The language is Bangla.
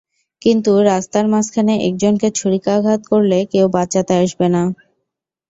কিন্তু রাস্তার মাঝখানে একজনকে ছুরিকাঘাত করলে, কেউ বাঁচাতে আসবে ন।